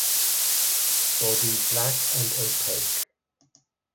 Body black and opaque.